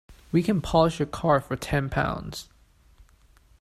We can polish your car for ten pounds.